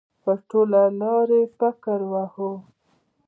په ټوله لار یې فکر واهه.